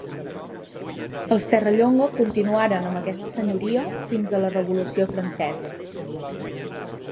Els Serrallonga continuaren amb aquesta senyoria fins a la Revolució Francesa.